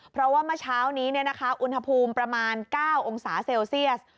เพราะว่าเมื่อเช้านี้อุณหภูมิประมาณ๙องศาเซลเซียส